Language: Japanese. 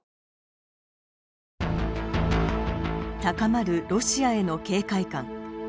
高まるロシアへの警戒感。